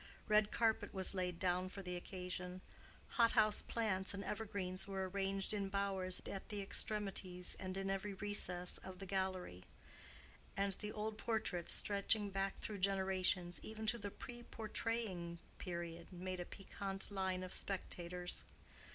Red carpet was laid down for the occasion: hot house plants and evergreens were arranged in bowers at the extremities and in every recess of the gallery; and the old portraits stretching back through generations, even to the pre portraying period, made a piquant line of spectators.